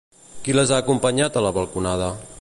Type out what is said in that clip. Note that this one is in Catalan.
Qui les ha acompanyat a la balconada?